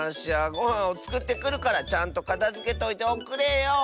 ごはんをつくってくるからちゃんとかたづけといておくれよ。